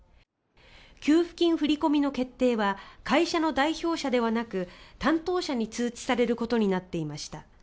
給付金振り込みの決定は会社の代表者ではなく担当者に通知されることになっていました。